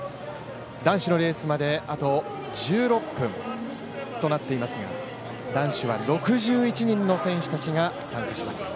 男子のレースまであと１６分となっていますが、男子は６１人の選手たちが参加します。